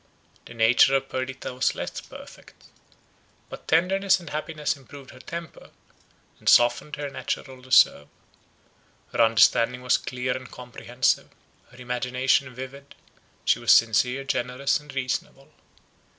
The nature of Perdita was less perfect; but tenderness and happiness improved her temper, and softened her natural reserve. Her understanding was clear and comprehensive, her imagination vivid; she was sincere, generous, and reasonable.